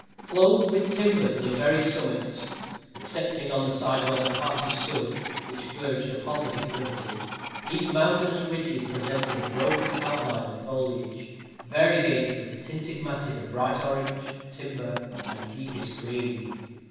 Clothed with timber to the very summits, excepting on the side where the party stood, which verged upon the declivity, these mountainous ridges presented a broken outline of foliage, variegated with tinted masses of bright orange, timber, and deepest green.